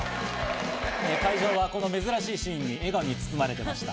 会場はこの珍しいシーンに笑顔に包まれました。